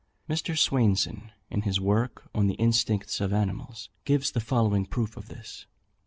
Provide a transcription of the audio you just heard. Mr. Swainson, in his work on the instincts of animals, gives the following proof of this.